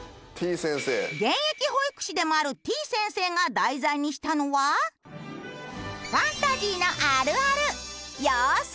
現役保育士でもあるてぃ先生が題材にしたのはファンタジーのあるある。